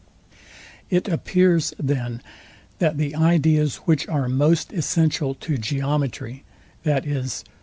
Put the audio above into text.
It appears, then, that the ideas which are most essential to geometry, viz.